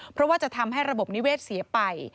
เพราะว่าจะทำให้ระบบนิเวศเสียไป